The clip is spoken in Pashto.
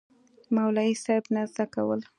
مولوي صېب نه زده کول